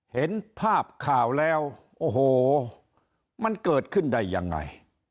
เห็นภาพข่าวแล้วโอ้โหมันเกิดขึ้นได้ยังไง